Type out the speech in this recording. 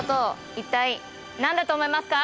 一体何だと思いますか？